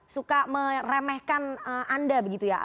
suka meremehkan anda begitu ya